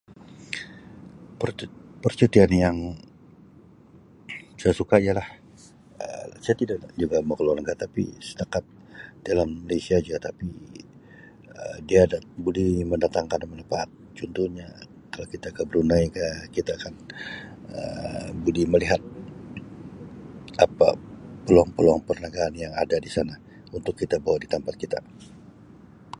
Percu-percutian yang saya suka ialah Um saya tidak juga mau keluar negara tapi setakat dalam Malaysia ja tapi Um dia ada buleh mendatangkan manfaat contohnya kalau kita ke Brunei ka kita akan Um buleh melihat apa peluang-peluang perniagaan yang ada di sana untuk kita bawa di tempat kita.